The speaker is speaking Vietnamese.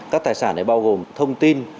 các tài sản này bao gồm thông tin